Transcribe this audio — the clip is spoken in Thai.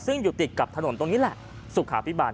ซึ่งอยู่ติดกับถนนตรงนี้แหละสุขาพิบาล